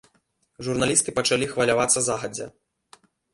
Журналісты пачалі хвалявацца загадзя.